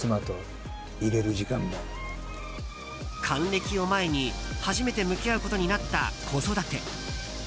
還暦を前に初めて向き合うことになった子育て。